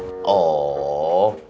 kuncinya dibawa sama ontak